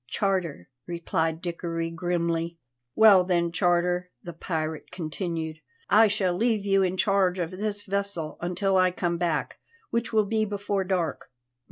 "Charter," replied Dickory grimly. "Well then, Charter," the pirate continued, "I shall leave you in charge of this vessel until I come back, which will be before dark."